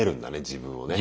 自分をね。